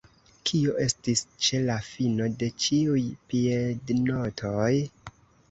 Kio estis ĉe la fino de ĉiuj piednotoj?